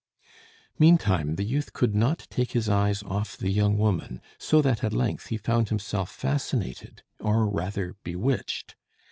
Meantime the youth could not take his eyes off the young woman, so that at length he found himself fascinated, or rather bewitched.